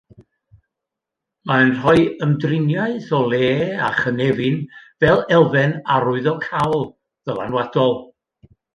Mae'n rhoi ymdriniaeth o le a chynefin fel elfen arwyddocaol, ddylanwadol